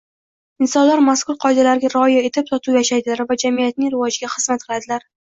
insonlar mazkur qoidalarga rioya etib totuv yashaydilar va jamiyatning rivojiga xizmat qiladilar.